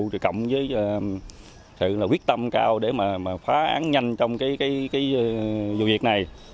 thì cộng với sự quyết tâm cao để mà phá án nhanh trong cái vụ việc này